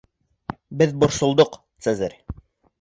Беҙ борсолдоҡ, Цезарь.